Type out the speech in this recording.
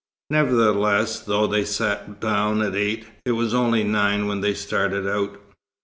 Nevertheless, though they sat down at eight, it was only nine when they started out.